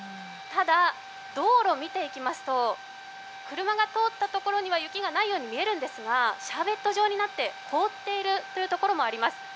ただ、道路を見ていきますと車が通ったところには雪がないように見えるんですがシャーベット状になって凍っているところもあります。